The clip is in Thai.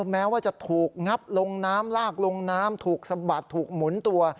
แม้ว่าจะถูกงับลงน้ำลากลงน้ำถูกสะบัดถูกหมุนตัว